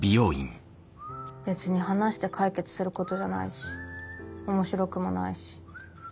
別に話して解決することじゃないし面白くもないし。